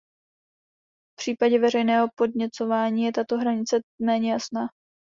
V případě veřejného podněcování je tato hranice méně jasná.